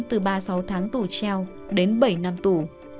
sáu tháng tù treo đến bảy năm tù